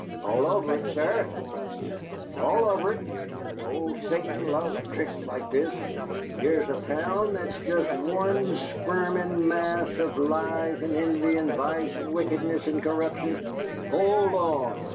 "All over it, sir!" cried the cynic. "All over it! Old Satan loves tricks like this. Here's a town that's jest one squirmin' mass of lies and envy and vice and wickedness and corruption " "Hold on!"